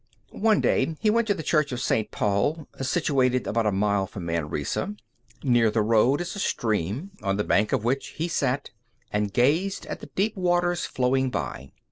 One day he went to the Church of St. Paul, situated about a mile from Manresa. Near the road is a stream, on the bank of which he sat, and gazed at the deep waters flowing by.